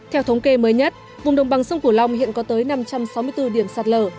theo thống kê mới nhất vùng đồng bằng sông cửu long hiện có tới năm trăm sáu mươi bốn điểm sạt lở